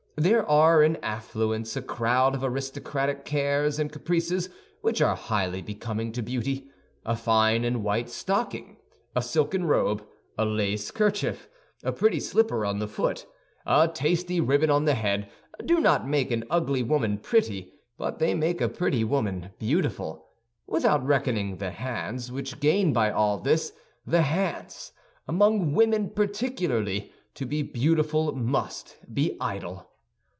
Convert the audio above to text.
There are in affluence a crowd of aristocratic cares and caprices which are highly becoming to beauty. A fine and white stocking, a silken robe, a lace kerchief, a pretty slipper on the foot, a tasty ribbon on the head do not make an ugly woman pretty, but they make a pretty woman beautiful, without reckoning the hands, which gain by all this; the hands, among women particularly, to be beautiful must be idle.